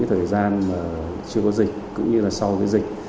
trong những thời gian chưa có dịch cũng như sau dịch